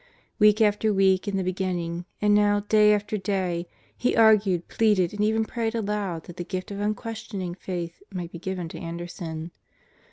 Week after week in the beginning, and now day after day he argued, pleaded, and even prayed aloud that the gift of unquestioning Faith might be given to Anderson.